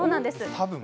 たぶん。